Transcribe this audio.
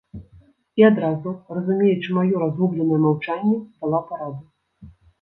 І адразу, разумеючы маё разгубленае маўчанне, дала параду.